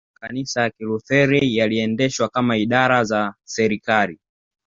katika Ujerumani makanisa ya Kilutheri yaliendeshwa kama idara za serikali